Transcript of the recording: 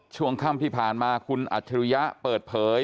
ช่วงค่ำที่ผ่านมาคุณอัจฉริยะเปิดเผย